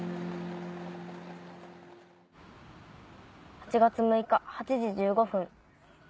「８月６日８時１５分。